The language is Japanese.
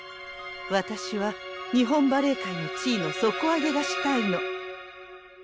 私は日本バレエ界の地位の底上げがしたいの。